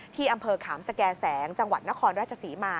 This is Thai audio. ที่อำเภอขามสแก่แสงจังหวัดนครราชศรีมา